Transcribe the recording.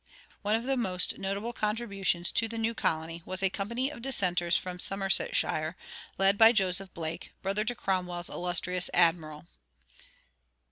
One of the most notable contributions to the new colony was a company of dissenters from Somersetshire, led by Joseph Blake, brother to Cromwell's illustrious admiral.